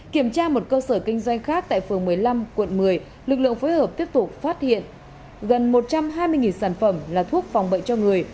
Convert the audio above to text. kiểm tra một cơ sở kinh doanh khác tại phường một mươi năm quận một mươi lực lượng phối hợp tiếp tục phát hiện gần một trăm hai mươi sản phẩm là thuốc phòng bệnh cho người